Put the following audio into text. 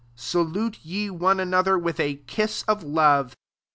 14 Salute ye one another with a kiss of love.